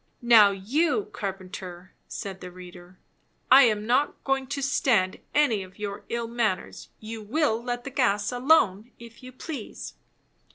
"Now you Carpenter," said the reader, "I am not going to stand any of your ill manners. You will let the gas alone, if you please."